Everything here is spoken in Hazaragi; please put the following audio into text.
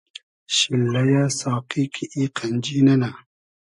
شیللئیۂ ساقی کی ای قئنجی نئنۂ